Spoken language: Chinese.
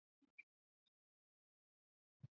伏龙寺是义井村兴建的佛教寺院。